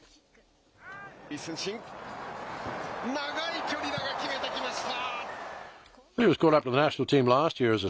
李承信、長い距離だが決めてきました。